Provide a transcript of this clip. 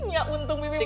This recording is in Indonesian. ya untung ibu menang